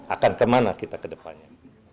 akan kemana kita ke depannya